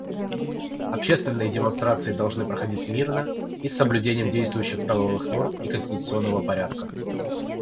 Общественные демонстрации должны проходить мирно и с соблюдением действующих правовых норм и конституционного порядка.